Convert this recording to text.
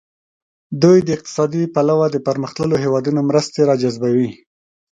دوی د اقتصادي پلوه د پرمختللو هیوادونو مرستې را جذبوي.